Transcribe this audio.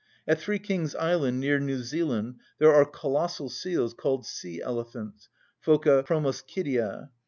At Three Kings Island, near New Zealand, there are colossal seals called sea‐elephants (phoca proboscidea).